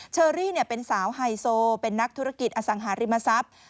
เชอรี่เป็นสาวไฮโซเป็นนักธุรกิจอสังหาริมทรัพย์